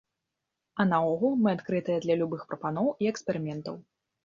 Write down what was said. А наогул, мы адкрытыя для любых прапаноў і эксперыментаў!